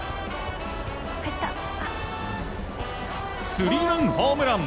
スリーランホームラン！